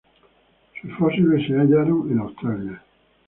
Sus fósiles se hallaron en Australia.